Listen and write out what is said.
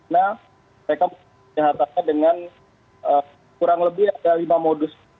nah mereka menyehatkan dengan kurang lebih ada lima modus